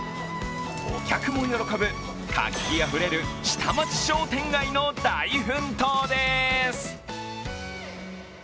お客も喜ぶ活気あふれる下町商店街の大奮闘です。